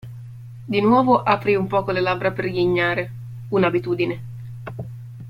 Di nuovo aprì un poco le labbra per ghignare – un'abitudine!